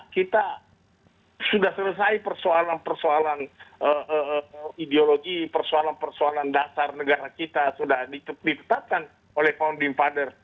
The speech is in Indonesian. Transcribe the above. kita sudah selesai persoalan persoalan ideologi persoalan persoalan dasar negara kita sudah ditetapkan oleh founding father